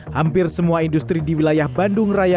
hampir semua industri di wilayah bandung raya